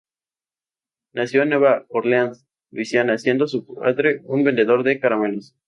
Nació en Nueva Orleáns, Luisiana, siendo su padre un vendedor de caramelos.